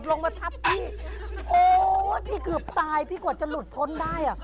ลงมาทับพี่โอ้พี่เกือบตายพี่กว่าจะหลุดพ้นได้อ่ะ